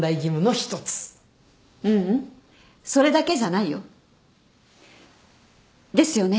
ううんそれだけじゃないよ。ですよね？